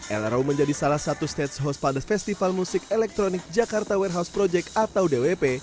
lro menjadi salah satu stage host pada festival musik elektronik jakarta warehouse project atau dwp